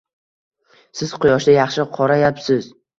Siz quyoshda yaxshi qorayibsiz